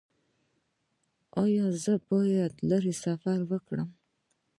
ایا زه باید لرې سفر وکړم؟